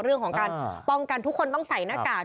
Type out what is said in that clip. เรื่องของการป้องกันทุกคนต้องใส่หน้ากาก